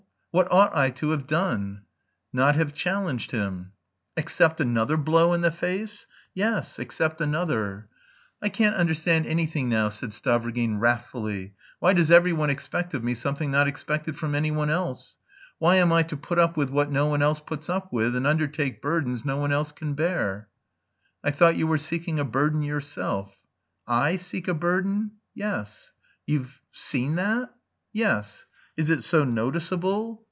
"What ought I to have done?" "Not have challenged him." "Accept another blow in the face?" "Yes, accept another." "I can't understand anything now," said Stavrogin wrathfully. "Why does every one expect of me something not expected from anyone else? Why am I to put up with what no one else puts up with, and undertake burdens no one else can bear?" "I thought you were seeking a burden yourself." "I seek a burden?" "Yes." "You've... seen that?" "Yes." "Is it so noticeable?"